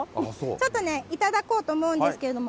ちょっとね、頂こうと思うんですけれども。